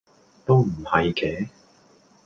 都唔係嘅